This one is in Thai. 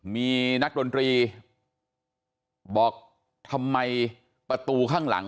มีนักดนตรีบอกทำไมประตูข้างหลัง